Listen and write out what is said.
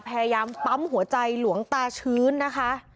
พยายามปั๊มหัวใจหลวงตาชื้นนะคะ